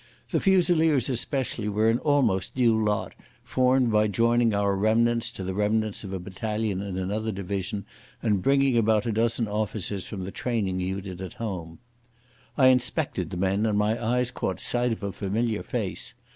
The Fusiliers especially were almost a new lot, formed by joining our remnants to the remains of a battalion in another division and bringing about a dozen officers from the training unit at home. I inspected the men and my eyes caught sight of a familiar face.